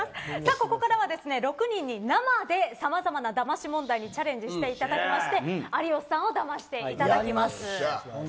ここからは６人に生でさまざまな、だまし問題にチャレンジしていただきまして有吉さんをだましていただきます。